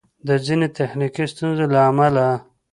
د ځیني تخنیکي ستونزو له امله